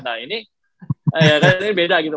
nah ini beda gitu